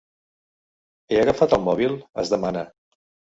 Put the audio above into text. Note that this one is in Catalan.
He agafat el mòbil?, es demana.